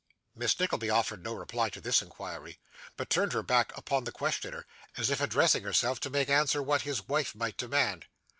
Miss Nickleby offered no reply to this inquiry, but turned her back upon the questioner, as if addressing herself to make answer to what his wife might demand.